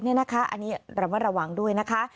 อันนี้ระวังด้วยนะคะ